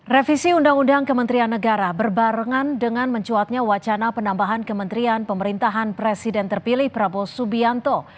revisi undang undang kementerian negara berbarengan dengan mencuatnya wacana penambahan kementerian pemerintahan presiden terpilih prabowo subianto